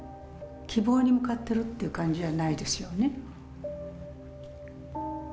希望に向かっているという感じではないですよね。